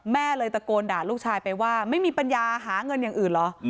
แม่เลยตะโกนด่าลูกชายไปว่าไม่มีปัญญาหาเงินอย่างอื่นเหรอ